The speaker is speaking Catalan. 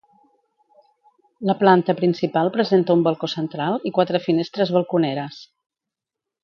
La planta principal presenta un balcó central i quatre finestres balconeres.